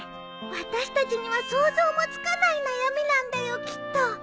私たちには想像もつかない悩みなんだよきっと。